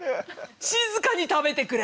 静かに食べてくれ！